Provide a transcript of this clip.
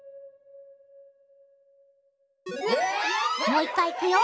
もう一回いくよ